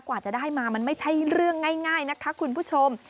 กว่าจะได้มามันไม่ใช่เรื่องง่ายนะคะคุณผู้ชม